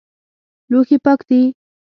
لوښي پاک دي؟